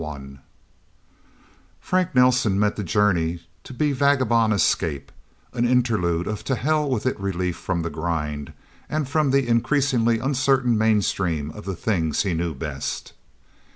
VII Frank Nelsen meant the journey to be vagabond escape, an interlude of to hell with it relief from the grind, and from the increasingly uncertain mainstream of the things he knew best.